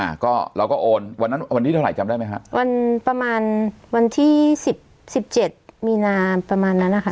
อ่าก็เราก็โอนวันนั้นวันที่เท่าไหร่จำได้ไหมฮะวันประมาณวันที่สิบสิบเจ็ดมีนาประมาณนั้นนะคะ